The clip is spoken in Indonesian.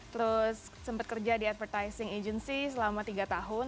terus sempat kerja di advertising agency selama tiga tahun